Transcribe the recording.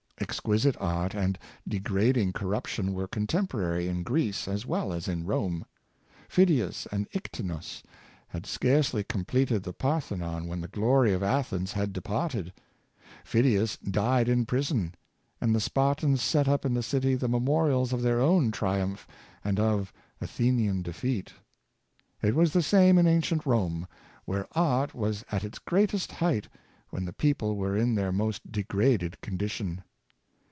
Exquisite art and degrading cor ruption were contemporary in Greece as well as in Rome. Phidias and Iktinos had scarcely completed the Parthenon when the glory of Athens had departed; Phidias died in prison; and the Spartans set up in the city the memorials of their own triumph and of Athe nian defeat. It was the same in ancient Rome, where art was at its greatest height when the people were in their most degraded condition.